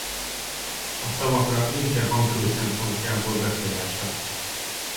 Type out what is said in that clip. A szavakra nincsen hangsúly szempontjából befolyása.